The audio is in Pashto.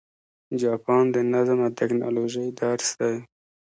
جاپان د نظم او ټکنالوژۍ درس دی.